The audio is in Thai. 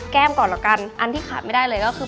ก่อนละกันอันที่ขาดไม่ได้เลยก็คือ